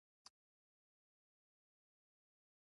قوانین خوښوي.